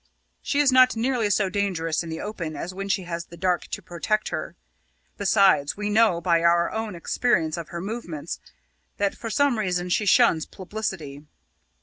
She is not nearly so dangerous in the open as when she has the dark to protect her. Besides, we know, by our own experience of her movements, that for some reason she shuns publicity.